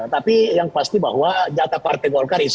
tapi yang pasti bahwa jatah partai golkar itu